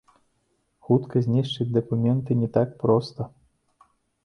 Хутка знішчыць дакументы не так проста.